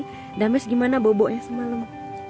hai damis gimana bobo semalam